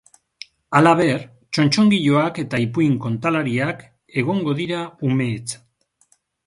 Halaber, txotxongiloak eta ipuin-kontalariak egongo dira umeetzat.